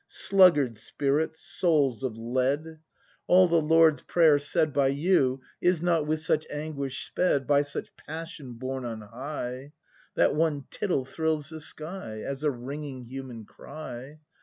Sluggard spirits, souls of lead! ACT I] BRAND 49 All the Lord's Prayer, said by you, Is not with such anguish sped. By such passion borne on high. That one tittle thrills the sky As a ringing human cry.